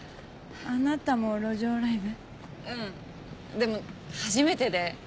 でも初めてで。